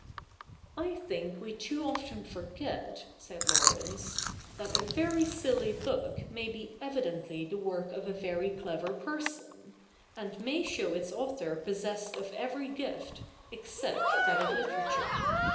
' 'I think we too often forget,' said Laurence^ 'that a very silly book may be evidently the work of a very clever person ; and may show its author possessed of every gift, except that of literature.